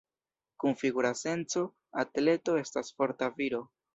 Kun figura senco, atleto estas forta viro.